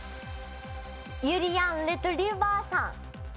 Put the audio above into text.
ゆりやんレトリィバァさん。